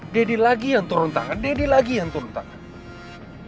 deddy lagi yang turun tangan deddy lagi yang turun tangan